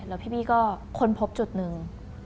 แล้วพี่ว่าก็ค้นพบจุดนึง